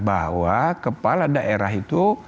bahwa kepala daerah itu